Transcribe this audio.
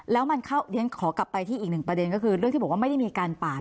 แล้วมันเข้าเรียนขอกลับไปที่อีกหนึ่งประเด็นก็คือเรื่องที่บอกว่าไม่ได้มีการปาด